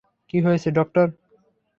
কী হয়েছে, ডক্টর?